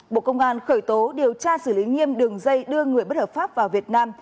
bộ công an khởi tố điều tra xử lý nghiêm đường dây đưa người bất hợp pháp vào việt nam